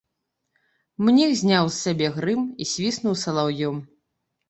Мніх зняў з сябе грым і свіснуў салаўём.